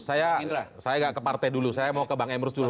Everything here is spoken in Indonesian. saya gak ke partai dulu saya mau ke bang emrus dulu